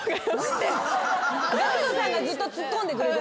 ＧＡＣＫＴさんがずっとツッコんでくれてました。